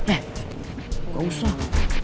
eh gak usah